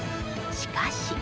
しかし。